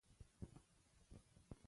سوالګر ته خواخوږي تسکین ورکوي